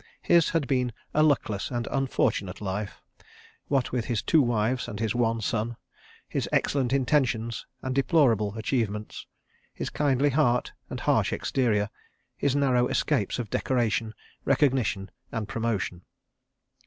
His had been a luckless and unfortunate life, what with his two wives and his one son; his excellent intentions and deplorable achievements; his kindly heart and harsh exterior; his narrow escapes of decoration, recognition and promotion.